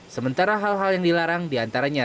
sementara hal hal yang dilarang diantaranya